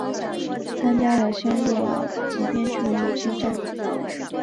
参加了湘鄂赣边区的游击战。